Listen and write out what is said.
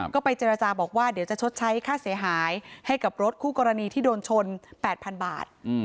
ก็ไปเจรจาบอกว่าเดี๋ยวจะชดใช้ค่าเสียหายให้กับรถคู่กรณีที่โดนชน๘๐๐๐บาท